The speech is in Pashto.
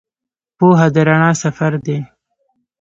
پوهه د رڼا سفر دی.